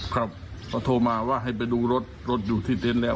ครับเขาโทรมาว่าให้ไปดูรถรถดูที่เต็นต์แล้ว